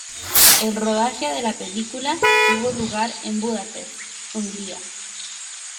El rodaje de la película tuvo lugar en Budapest, Hungría.